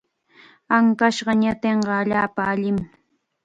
Ankashqa ñatinqa allaapa allim.